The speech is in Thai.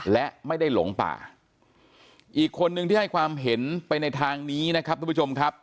และไม่ได้หลงป่าอีกคนนึงที่ให้ความเห็นไปในทางนี้นะครับทุกผู้ชมครับ